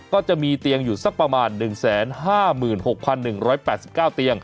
ก็จะมีเตียงอยู่สักประมาณ๑๕๖๑๘๙เตียง